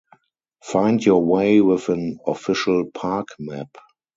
Find your way with an official park map.